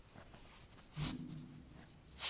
haya sacado un nuevo disco